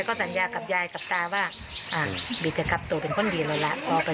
ก็สัญญากับยายกับตาว่าบีจะกลับสู่เป็นคนดีเลยล่ะ